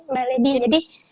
mbak lady jadi